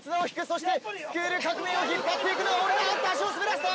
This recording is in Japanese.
そして『スクール革命！』を引っ張っていくのは俺だ！あっと足を滑らせた！